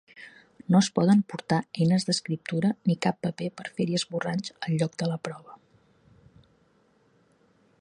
No es poden portar eines d'escriptura ni cap paper per fer-hi esborranys al lloc de la prova.